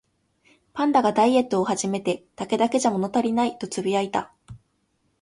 パンダがダイエットを始めて、「竹だけじゃ物足りない」とつぶやいた